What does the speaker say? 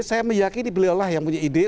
saya meyakini beliau lah yang punya ide